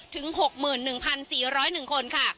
ถึง๖๑๔๐๑คนค่ะ